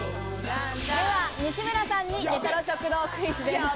西村さんにレトロ食堂クイズです。